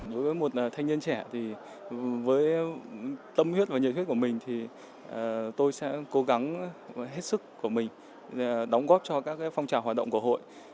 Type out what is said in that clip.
đối với một thanh niên trẻ thì với tâm huyết và nhiệt huyết của mình thì tôi sẽ cố gắng hết sức của mình đóng góp cho các phong trào hoạt động của hội